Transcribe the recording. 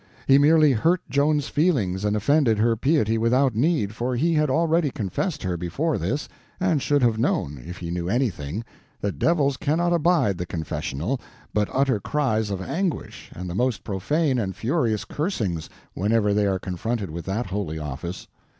He merely hurt Joan's feelings and offended her piety without need, for he had already confessed her before this, and should have known, if he knew anything, that devils cannot abide the confessional, but utter cries of anguish and the most profane and furious cursings whenever they are confronted with that holy office.